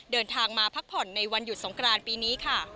เดินทางมาพักผ่อนในวันหยุดสงกรานปีนี้ค่ะ